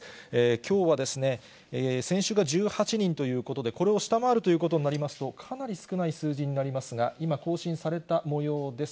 きょうは、先週が１８人ということで、これを下回るということになりますと、かなり少ない数字になりますが、今、更新されたもようです。